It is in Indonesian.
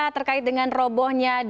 terkait dengan robohnya dinding